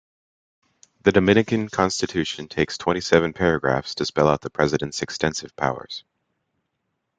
The Dominican Constitution takes twenty-seven paragraphs to spell out the president's extensive powers.